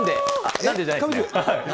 なんでじゃないですね。